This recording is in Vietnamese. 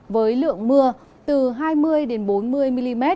với lượng mưa từ hai mươi bốn mươi mm